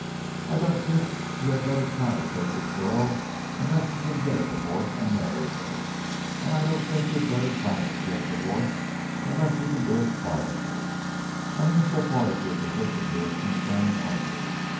I don't think you had better try to take this girl unless you can get a divorce and marry her, and I don't think you had better try to get a divorce unless you can do it quietly. I mean so far as your position here is concerned only.